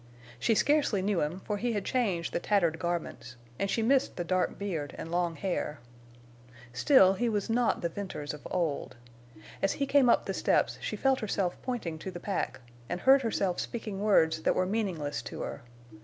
She scarcely knew him, for he had changed the tattered garments, and she missed the dark beard and long hair. Still he was not the Venters of old. As he came up the steps she felt herself pointing to the pack, and heard herself speaking words that were meaningless to her.